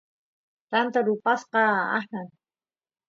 tanta rupasqa aqnan